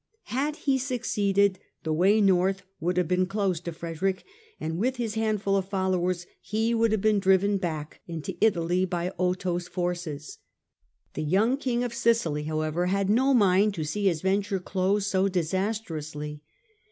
Had he succeeded, the way north would have been closed to Frederick, and with his handful of followers he would have been driven back THE ADVENTURE AND THE GOAL 43 into Italy by Otho's forces. The young King of Sicily, however, had no mind to see his venture close so disas trously.